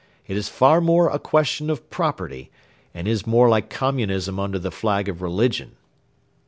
It is far more a question of property, and is more like Communism under the flag of religion.'